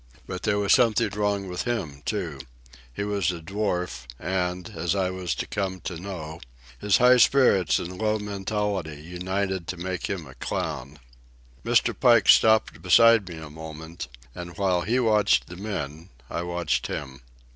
But there was something wrong with him, too. He was a dwarf, and, as I was to come to know, his high spirits and low mentality united to make him a clown. Mr. Pike stopped beside me a moment and while he watched the men I watched him.